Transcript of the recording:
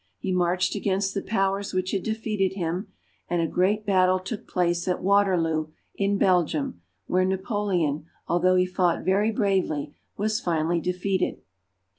He marched against the Powers which had defeated him, and a great battle took place at Waterloo, in Belgium, where Napoleon, although he fought very bravely, was finally defeated.